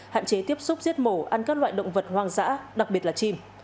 hạn chế tiếp xúc giết mổ ăn các loại động vật hoang dã đặc biệt là chim